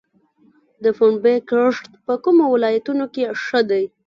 د پنبې کښت په کومو ولایتونو کې ښه دی؟